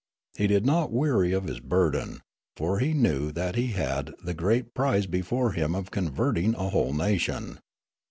He did not weary of his burden ; for he knew that he had the great prize before him of con verting a whole nation.